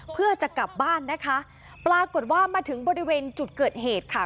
เพื่อจะกลับบ้านนะคะปรากฏว่ามาถึงบริเวณจุดเกิดเหตุค่ะ